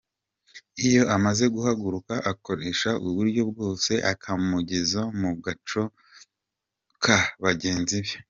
Iyo amaze guhaguruka akoresha uburyo bwose akamugeza mu gaco ka bagenzi be.